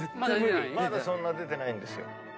まだそんな出てないんですよ。